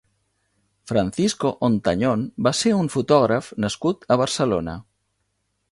Francisco Ontañón va ser un fotògraf nascut a Barcelona.